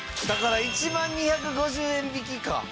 だから１万２５０円引きか。